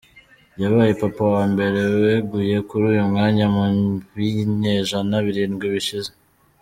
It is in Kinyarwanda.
Yabaye Papa wa mbere weguye kuri uyu mwanya mu binyejana birindwi bishize.